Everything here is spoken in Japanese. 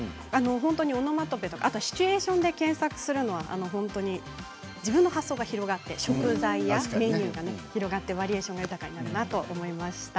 オノマトペとかあとシチュエーションで検索するのは自分の発想が広がって食材やメニューが広がってバリエーションが豊かになるなと思いました。